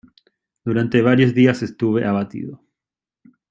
Durante varios días estuve abatido.